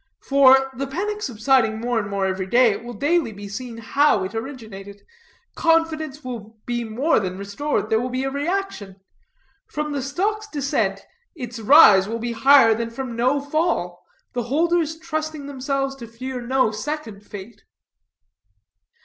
For, the panic subsiding more and more every day, it will daily be seen how it originated; confidence will be more than restored; there will be a reaction; from the stock's descent its rise will be higher than from no fall, the holders trusting themselves to fear no second fate."